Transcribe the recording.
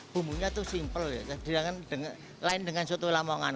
bumbunya itu simple ya lain dengan soto lamongan